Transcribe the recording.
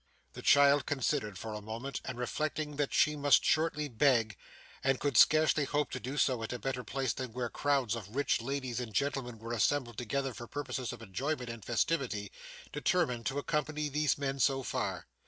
The child considered for a moment, and reflecting that she must shortly beg, and could scarcely hope to do so at a better place than where crowds of rich ladies and gentlemen were assembled together for purposes of enjoyment and festivity, determined to accompany these men so far.